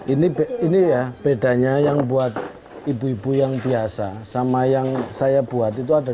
ini ini ya bedanya yang buat ibu ibu yang biasa sama yang saya buat itu ada